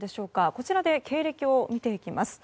こちらで経歴を見ていきます。